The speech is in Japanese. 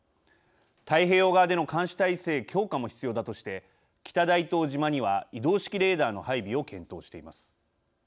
太平洋側での監視体制強化も必要だとして北大東島には移動式レーダーの配備を検討しています。